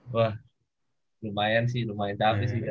wah lumayan sih lumayan